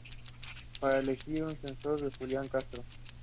Hildebrand is one of the leaders of the Prairie Meteorite Network search project.